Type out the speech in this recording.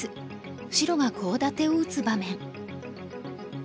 白がコウ立てを打つ場面。